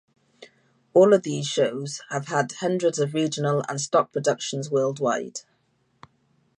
All of these shows have had hundreds of regional and stock productions worldwide.